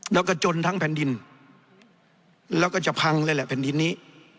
แล้วก็จนทั้งแผ่นดินแล้วก็จะพังเลยแหละแผ่นดินนี้